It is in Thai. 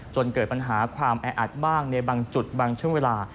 จนเกิดปัญหาความแออัดบ้างในบางจุดบางช่วงเวลา